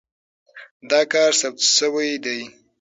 دا کار ثبت شوی دی.